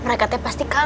mereka tkw pasti kangen